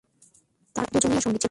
তারা দুজনেই অপেরা সঙ্গীতশিল্পী।